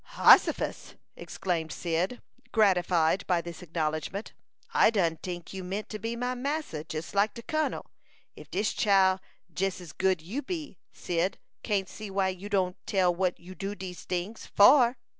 "Hossifus!" exclaimed Cyd, gratified by this acknowledgment. "I done tink you meant to be my massa, jes like de kun'l. If dis chile jes as good you be, Cyd can't see why you don't tell what you do dese tings for."